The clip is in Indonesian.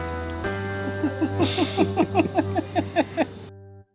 kak rosnya ipin upin ceng